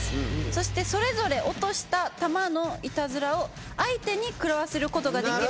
そしてそれぞれ落とした球のイタズラを相手に食らわせることができるので。